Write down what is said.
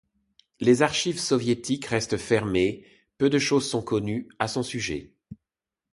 Les archives soviétiques restant fermées, peu de choses sont connues à son sujet.